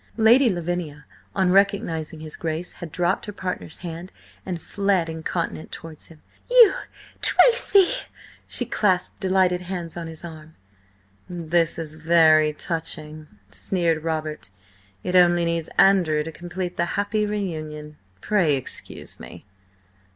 Lady Lavinia, on recognising his Grace, had dropped her partner's hand and fled incontinent towards him. "You, Tracy!" She clasped delighted hands on his arm. "This is very touching," sneered Robert. "It only needs Andrew to complete the happy reunion. Pray excuse me!"